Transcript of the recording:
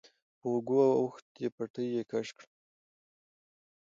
په اوږو اوښتې پټۍ يې کش کړه.